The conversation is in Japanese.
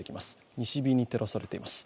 西日に照らされています。